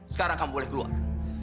sekarang kamu boleh keluar